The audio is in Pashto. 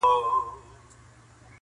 • د ژوند تڼاکي سولوم په سرابي مزلونو -